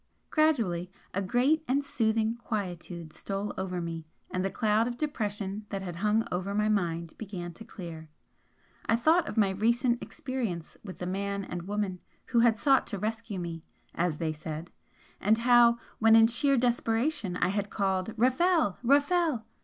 Gradually a great and soothing quietude stole over me and the cloud of depression that had hung over my mind began to clear. I thought of my recent experience with the man and woman who had sought to 'rescue' me, as they said, and how when in sheer desperation I had called "Rafel! Rafel!"